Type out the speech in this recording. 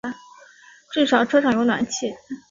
至少车上有暖气